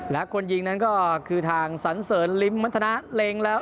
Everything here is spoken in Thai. และคนยิงนั้นก็คือทางสันเสริญริมวัฒนะเล็งแล้ว